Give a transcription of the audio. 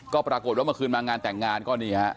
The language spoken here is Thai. ก็ปรากฏว่าเมื่อคืนมางานแต่งงานก็นี่ฮะ